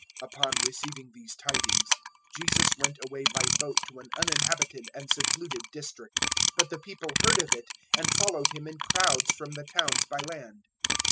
014:013 Upon receiving these tidings, Jesus went away by boat to an uninhabited and secluded district; but the people heard of it and followed Him in crowds from the towns by land.